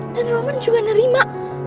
dan roman juga nerima